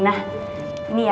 ini ya pesanannya